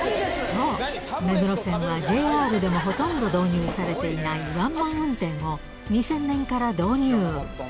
そう、目黒線はＪＲでもほとんど導入されていないワンマン運転を、２０００年から導入。